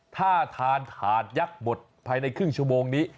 ถ้าทานถาดยักษ์หมดภายในครึ่งชั่วโมงนี้